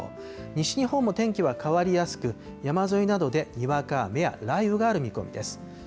西日本も天気は変わりやすく、山沿いなどでにわか雨や雷雨がある見込みです。